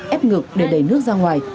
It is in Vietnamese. êp ngực để đẩy nước ra ngoài